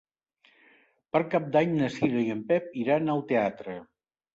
Per Cap d'Any na Cira i en Pep iran al teatre.